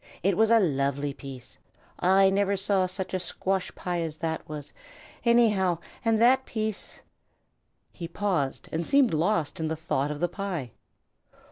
It was a lovely piece. I never saw such a squash pie as that was, anyhow, and that piece " He paused, and seemed lost in the thought of the pie.